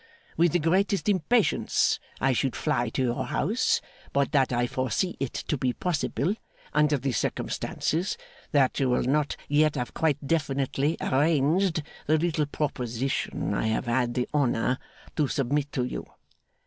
'With the greatest impatience I should fly to your house, but that I foresee it to be possible, under the circumstances, that you will not yet have quite definitively arranged the little proposition I have had the honour to submit to you.